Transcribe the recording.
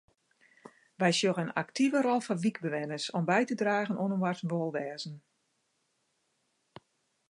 Wy sjogge in aktive rol foar wykbewenners om by te dragen oan inoars wolwêzen.